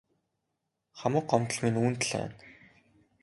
Хамаг гомдол минь үүнд л байна.